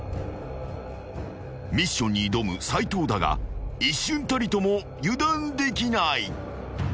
［ミッションに挑む斉藤だが一瞬たりとも油断できない］